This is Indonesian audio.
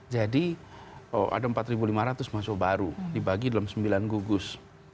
jadi ada empat ribu lima ratus mahasiswa baru dibagi dalam sembilan gugus